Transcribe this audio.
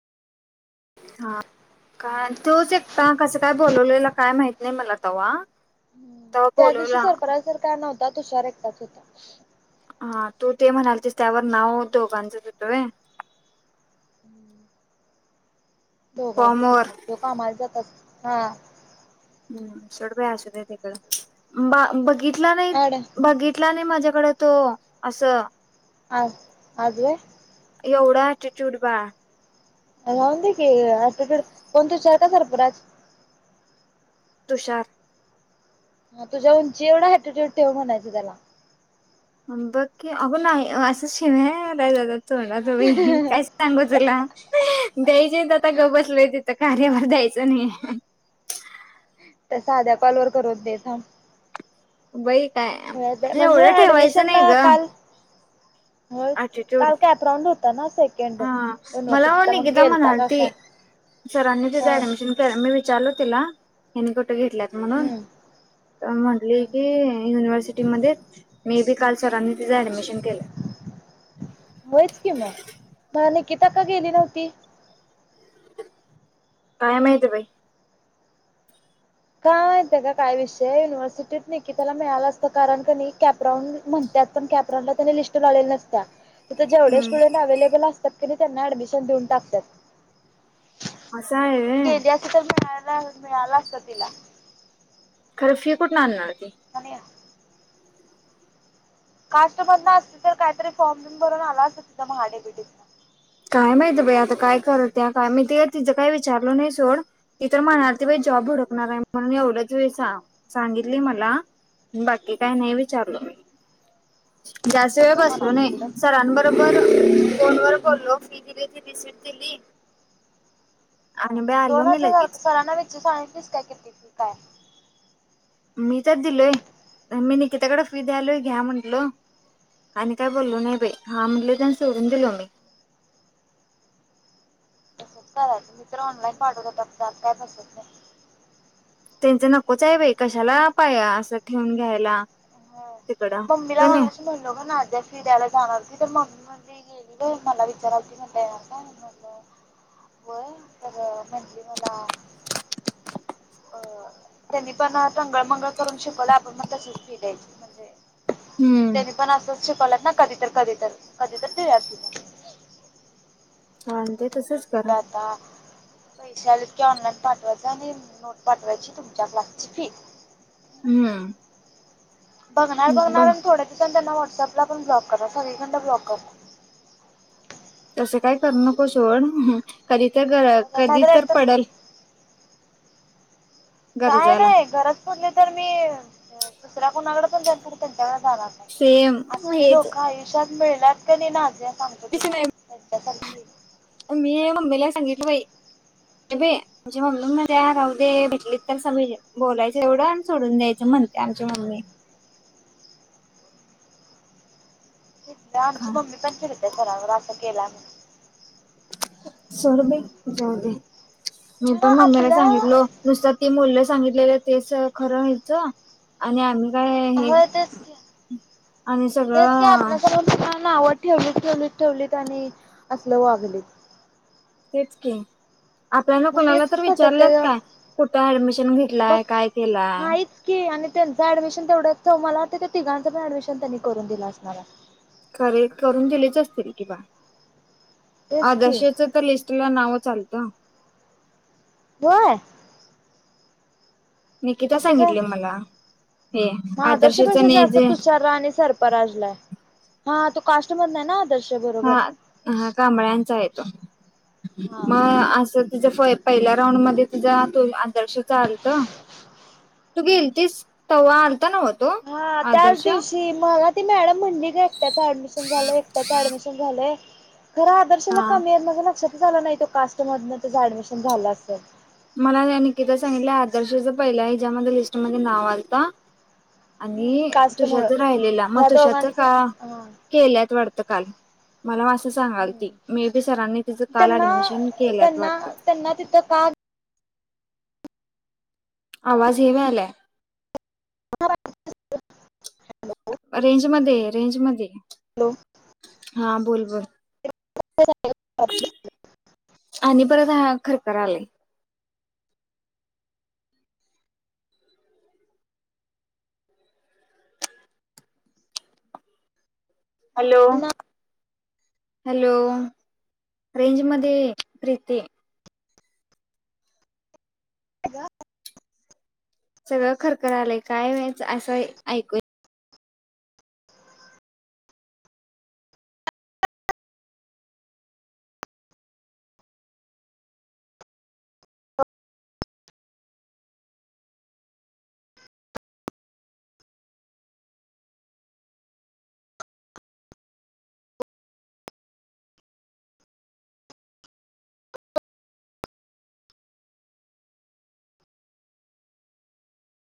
हा. काय तोच एकट कसं काय बोलवलेला काय माहित नाही मला तवा, तवा त्या दिवशी बोलवला सरफराज सर काय नव्हता तुषार एकटाच होता. हा तू ते म्हणालतीस त्यावर नाव दोघांचच होेत होय? फॉर्म दोघांचच वर होत. तो कामाला जातात हां. सोड बाई असूदे तिकडं. बा बघ बघितला नाही अड बघितला नाही माझ्या कड तो असं. आज आज होय. एवढा अँटीट्युड बाळ. राहून दे की अस कोण तुशार काय सरफराज. तुषार. ह तुझ्या उंची एवढा हॅटिट्यूड ठेव म्हणायच त्याला. बगकी अगं नाही असं शिव्या यायल्यात आता. तोडा तुम्ही. काय सांगू तुला. द्यायचे तर आता गबसलंय तिथं कार्यावर द्यायचं नाही. तर साध्या कॉलवरर करन दे थाम्ब. बाई. व्हय बाई काय हणजे एवढं ऍडमिशन ला काल होय अटिट्यूड काल कॅपराऊंड होता ना सेकंड हा मला हो युनिव्हर्सिटीचा मग निकिता गेलता का म्हणालती. काय सरांनी हा तिचं ऍडमिशन करा मी विचारल तीला. फक्त घेतल्यात म्हणून हम्म तर म्हटली हम्म की युनिव्हर्सिटीमध्ये मे बी काल सरांनी तिचं ऍडमिशन केलं. होयच की मग मा निकीता का गेली नव्हती. काय माहित बाई. काय माहितय काय विषय. युनिव्हर्सिटीत निकीता ताला मिळालं असतं. कारण कनी कॅप राउंड म्हणतात पण कॅप राउंडला त्याने लिस्ट लावलेली नसत्या. तिथ जेवढे हम्म स्टुडंट अवेलेबल असतात कधी त्यांना ऍडमिशन देऊन टाकतात. असं आहे व्हय गेली असती तर [inaudible] मिळाला असत तिला. खरं फी कुठून आणणार ती. आणि काष्ट मधन असती तर काहीतरी फॉर्म बीम भरून आला अस तिथ महा डी बि टी तण. काय माहित बाई आता काय करत्या काय, मी ते तिचं काय विचारलो नाही, सोड ती तर म्हणालती बाई जॉब हुडकणार आहे. म्हणून एवढच वेळ सांगितली मला बाकी काय नाही विचारलो मी. जास्त वेळ हुडक बसलो म्हणालोय नाही. हुडक सरांबरोबर फोन वर बोलो फी दिली रिसिट दिली हा आणि बाई आलो दोन मी हजार लगेच सरांना वी सांगितलीस काय? किती फी काय मी तर दिलोय मी निकिताकडे फी द्यायलोय घ्या म्हटलो आणि काय बोललो नाही बाई हा म्हंटलीत आणी सोडून दिलो मी! मी तर ऑनलाईन पाठवतो जात काय बसत नाही. त्यांच नकोच आहे बाई कशाला बाई असं ठेवून घ्यायला हा तिकडं मम्मीला का नाही मागाशी म्हणलो नाजीया फि द्यायला जाणार ती तर मम्मी म्हणजे गेलीलं मला विचाराती म्हणता म्हणलं होय तर म्हटली मला अ त्यांनी पण टंगळ मंगळ करून शिकवलं आपण पण तसच फि द्यायची म्हणजे हम्म त्यानी पण असं शिकवल्यात ना कधी तर कधी तर कधी तर देऊयाकी मग हा ते तसच कर. पैसे आले की ऑनलाइन पाठवायच आणि नोट पाठवायची तुमच्या क्लासची फी हम बघणार बघणार आणि थोड्या दिवसांनी त्यांना व्हॉट व्हॉट्सअँप ला पण ब्लॉक करा सगळीकढण ब्लॉक कर तसं काय करू नको सोड कधी तर कधी नाहीतर तर एकतर पडल काय गरजाला नाही गरज पडली तर मी दुसऱ्या कोणाकडे पण जाईल खरं तेच्याकड जाणार नाही सेम आसली हेच लोक आयुष्यात मिळल्यांत कायनी माझ्या सांगतो तुला नाही तेच्या सारखं [inaudible] मी मम्मीला सांगितलं बाई नाही बाई आमची मम्मी महत्या राहूदे भेटली तर समोर बोलायचं एवढं आणि सोडून द्यायचं म्हणत्या आमची मम्मी तेच आमची हा मम्मी पण त्या सरांवर आसं केला म सर बाई जाऊदे मी खरं पण मम्मीला आपल्या सांगितलो नुसत ती मूल सांगितलेलं तेस खरं व्हायचं आणि आम्ही काय हे हो तेच की आणि तेच की आपल्या सगळं सगळ्यांना नाव ठेवलीत, ठेवलीत, ठेवलीत आणि आसल वागलीत. तेच की आपल्याना मग कुणाला तेच तर विचारलंत खटकतंय गं काय कुठं ऍडमिशन घेतलाय काय केलाय? तेचं ऍडमिशन तेवढंच मला ते त्या तिघांच पण ऍडमिशन त्यांनी करून दिलं असणार हाय खरं हे करून दिलीच असतील किं बा तेच की आदर्शचं तर लिस्टला नावच चालतये होय? निकिता कस काय सांगितले मला हे हा आदर्श आदर्शचं पेक्षा ने जास्त जे तुषारा आणि सर्पराजला हाय हा तू कास्ट मधन हाय ना आदर्श बरोबर हा हा कांबळ्यांचा आहेे तो हा मग असं तिच फय पहिल्या राऊंडमध्ये तिझा तो आदर्श चालत तू हम्म. गेलतीस तवा आन. हा त्याच दिवशी मला ती मॅडम म्हणली का एकट्याच ॲडमिशन झालं एकट्याच ॲडमिशन झालय. खर आदर्शला हा कमी आहेत माझ्या लक्षात च आलं नाही तो कास्ट मधन त्याच ॲडमिशन झाल असेल. मला निकिता न सांगितल आदर्शच पहिला ह्याच्यामधे लिस्टमध्ये नाव आलता हम्म आणि कास्ट मुळ तुषारच राहिलेला मग ह्या तुषारच दोघांचं का हा. केल्यात वाटतं. तर काल मला असं सांगालती मे बी सरांनी तिचं काल त्यांना ॲडमिशन केल्यात त्यांना वाटतं. त्यांना तिथं का आवाज हे व्हयालाय. हॅलो रेंजमध्ये ये रेंजमध्ये. हॅलो हा बोल बोल. आणि परत हा खरखर आलंय. हॅलो त्यांना हॅलो रेंजमध्ये ये प्रीती. [unintelligible] सगळं खरखरं आलंय काय व्हायचं असं ऐकू